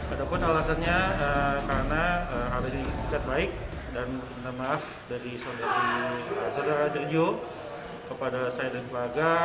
ada pun alasannya karena abadi ikat baik dan menerima dari saudara giorgio kepada saya dan pelaga